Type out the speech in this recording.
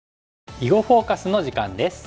「囲碁フォーカス」の時間です。